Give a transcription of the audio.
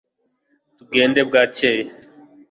tuzagenda bwacyeye